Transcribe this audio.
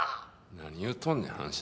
何言うとんねん反社。